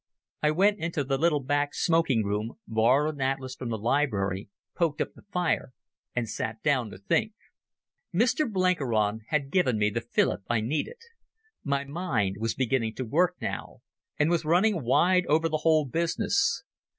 I went into the little back smoking room, borrowed an atlas from the library, poked up the fire, and sat down to think. Mr Blenkiron had given me the fillip I needed. My mind was beginning to work now, and was running wide over the whole business.